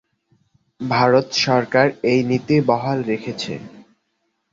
ভারত সরকার এই নীতি বহাল রেখেছে।